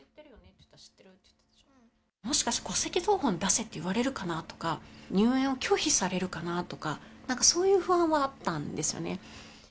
もしかして、戸籍謄本出せって言われるかなとか、入園を拒否されるかなとか、なんかそういう不安はあったんですよね。